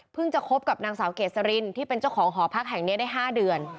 จะคบกับนางสาวเกษรินที่เป็นเจ้าของหอพักแห่งนี้ได้๕เดือน